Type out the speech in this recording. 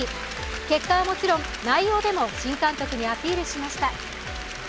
結果はもちろん内容でも新監督にアピールしました。